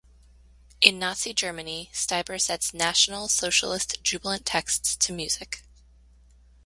In Nazi Germany Stieber set National Socialist jubilant texts to music.